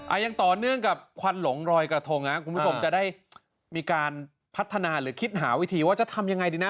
ยังต่อเนื่องกับควันหลงรอยกระทงนะคุณผู้ชมจะได้มีการพัฒนาหรือคิดหาวิธีว่าจะทำยังไงดีนะ